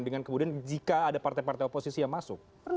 dengan kemudian jika ada partai partai oposisi yang masuk